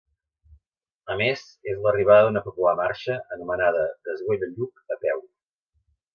A més, és l'arribada d'una popular marxa anomenada Des Güell a Lluc a peu.